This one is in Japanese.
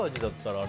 あれ？